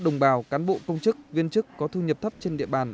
đồng bào cán bộ công chức viên chức có thu nhập thấp trên địa bàn